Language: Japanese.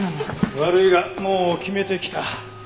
悪いがもう決めてきた。